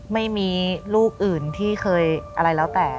ไม่มีลูกอื่นที่เคยอะไรแล้วแต่